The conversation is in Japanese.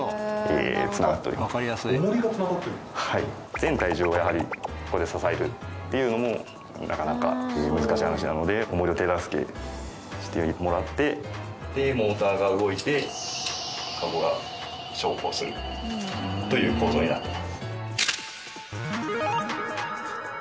全体重をやはりここで支えるっていうのもなかなか難しい話なのでおもりを手助けしてもらってモーターが動いてカゴが昇降するという構造になってます。